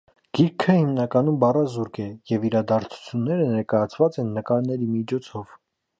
Գիրքը հիմնականում բառազուրկ է և իրադարձությունները ներկայացված են նկարների միջոցով։